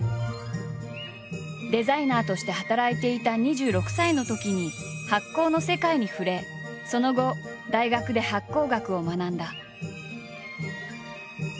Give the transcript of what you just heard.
デザイナーとして働いていた２６歳のときに発酵の世界に触れその後大学で発酵学を学んだ。